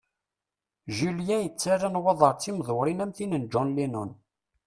Julien yettarra nnwaḍer d timdewwrin am tid n John Lennon.